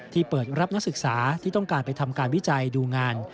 เปิดรับนักศึกษาที่ต้องการไปทำการวิจัยดูงาน